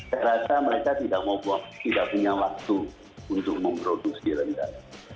ternyata mereka tidak punya waktu untuk memproduksi rendang